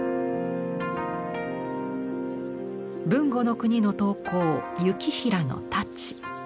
豊後国の刀工行平の太刀。